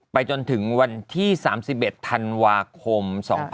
จนถึงวันที่๓๑ธันวาคม๒๕๖๒